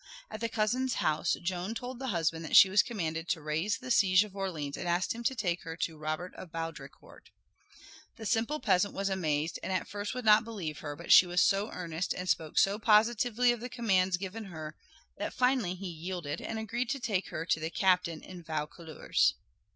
At the cousin's house Joan told the husband that she was commanded to raise the siege of Orleans and asked him to take her to Robert of Baudricourt. The simple peasant was amazed and at first would not believe her, but she was so earnest and spoke so positively of the commands given her that finally he yielded and agreed to take her to the captain in Vaucouleurs.